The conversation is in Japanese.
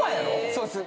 そうです。